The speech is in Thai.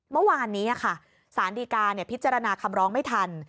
เมื่อวานนี้ค่ะสารดีการพิจารณาคำร้องไม่ทัน